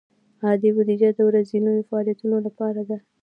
عادي بودیجه د ورځنیو فعالیتونو لپاره ده.